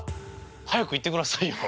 早く言ってくださいよ。